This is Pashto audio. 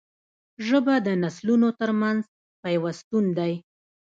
ژبه د نسلونو ترمنځ پیوستون دی